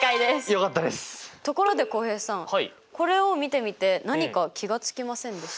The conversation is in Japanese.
ところで浩平さんこれを見てみて何か気が付きませんでした？